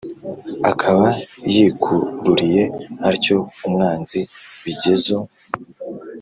akaba yikururiye atyo umwanzi bigezo.